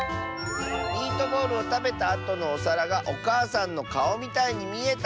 「ミートボールをたべたあとのおさらがおかあさんのかおみたいにみえた！」。